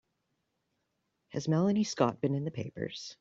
Has Melanie Scott been in the papers?